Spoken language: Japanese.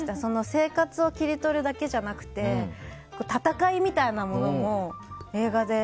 生活を切り取るだけじゃなくて戦いみたいなものも。